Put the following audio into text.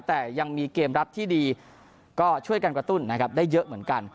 แต่ยังมีเกมรับที่ดีก็ช่วยกันกระตุ้นนะครับได้เยอะเหมือนกัน